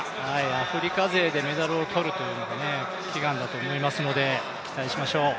アフリカ勢でメダルを取るというのが悲願だと思いますので期待しましょう。